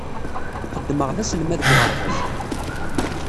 Xeddmeɣ d aselmad deg uɣerbaz.